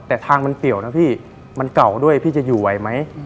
แต่ทางมันเปี่ยวนะพี่มันเก่าด้วยพี่จะอยู่ไหวไหม